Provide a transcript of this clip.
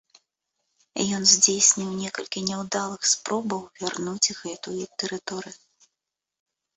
Ён здзейсніў некалькі няўдалых спробаў вярнуць гэтую тэрыторыю.